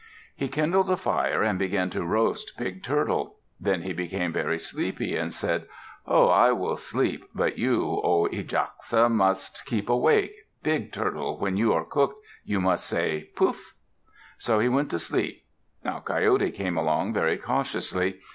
He kindled a fire and began to roast Big Turtle. Then he became very sleepy, and said, "Ho! I will sleep, but you, O, Ijaxe, must keep awake. Big Turtle, when you are cooked, you must say, 'Puff!'" So he went to sleep. Now Coyote came along, very cautiously.